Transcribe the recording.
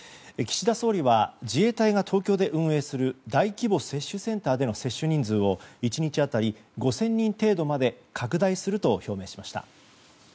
岸田総理は自衛隊が東京で運営する大規模接種センターでの接種人数を１日当たり５０００人程度まで拡大すると表明しました。